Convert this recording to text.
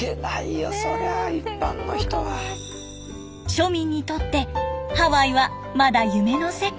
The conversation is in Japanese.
庶民にとってハワイはまだ夢の世界。